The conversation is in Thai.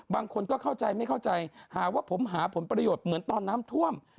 บางคนก็เข้าใจไม่เข้าใจหาว่าผมหาผลประโยชน์เหมือนตอนน้ำท่วม